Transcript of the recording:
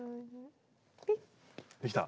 できた？